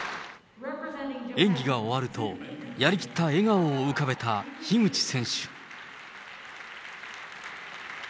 演技が終わると、やりきった笑顔を浮かべた樋口選手。